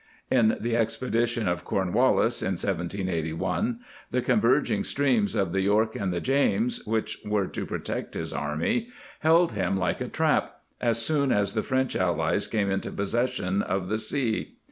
In the expedi tion of Cornwallis in 1781 the converging streams of the York and the James, which were to pro tect his army, held him like a trap as soon as the French allies came into possession of the sea.